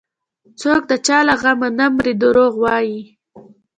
څوك د چا له غمه نه مري دروغ وايي